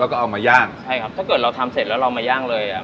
แล้วก็เอามาย่างใช่ครับถ้าเกิดเราทำเสร็จแล้วเรามาย่างเลยอ่ะ